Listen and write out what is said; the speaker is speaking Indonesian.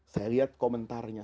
saya lihat komentarnya